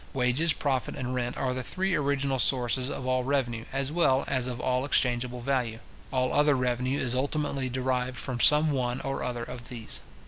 Wages, profit, and rent, are the three original sources of all revenue, as well as of all exchangeable value. All other revenue is ultimately derived from some one or other of these.